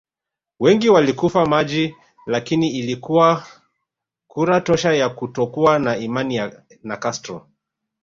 Wengi walikufa maji lakini ilikuwa kura tosha ya kutokuwa na imani na Castro